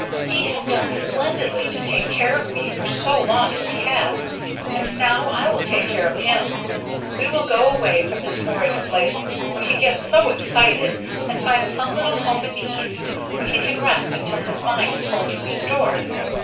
"He has done splendidly to take care of me for so long as he has, and now I will take care of him. We will go away from this horrid place, where he gets so excited, and find some little home in the East, where he can rest until his mind is wholly restored.